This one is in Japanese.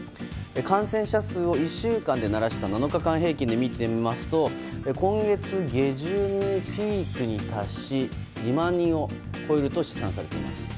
感染者数を１週間でならした７日間平均で見てみますと今月下旬にピークに達し２万人を超えると試算されています。